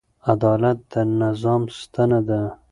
عدالت د نظام ستنه ده.